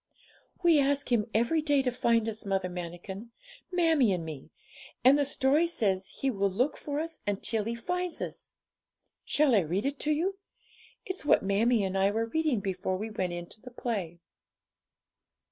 'We ask Him every day to find us, Mother Manikin mammie and me; and the story says He will look for us until He finds us. Shall I read it to you? It's what mammie and I were reading before we went in to the play.'